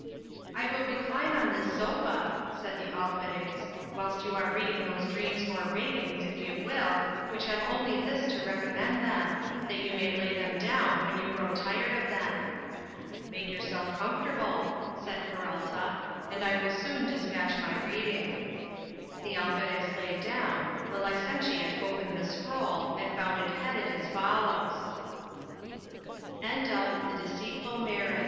I will recline on this sofa, said the Alferez, whilst you are reading those dreams or ravings, if you will, which have only this to recommend them, that you may lay them down when you grow tired of them. "Make yourself comfortable," said Peralta; "and I will soon despatch my reading." The Alferez lay down; the licentiate opened the scroll, and found it headed as follows:— DIALOGUE BETWEEN SCIPIO AND B